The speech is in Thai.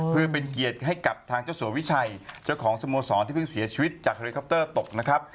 เพื่อเป็นเกียรติให้กับทางเจ้าสัววิชัยเจ้าของสโมสรที่เพิ่งเสียชีวิตจากเฮลิคอปเตอร์ตกนะครับ